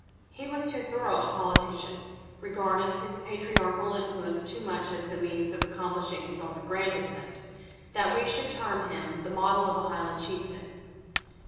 He was too thorough a politician, regarded his patriarchal influence too much as the means of accomplishing his own aggrandisement, that we should term him the model of a Highland Chieftain.